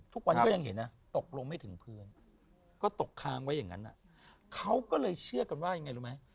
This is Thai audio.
ทุกวันนี้ก็ยังเห็นนะตกลงไม่ถึงพื้นก็ตกค้างไว้อย่างนั้นเขาก็เลยเชื่อกันว่ายังไงรู้ไหม